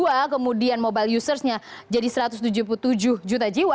kalau satu ratus tiga puluh dua kemudian mobile usersnya jadi satu ratus tujuh puluh tujuh juta jiwa